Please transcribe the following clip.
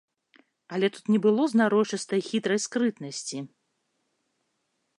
Але тут не было знарочыстай хітрай скрытнасці.